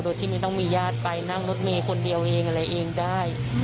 โดยที่ไม่ต้องมีญาติไปนั่งรถเมย์คนเดียวเองอะไรเองได้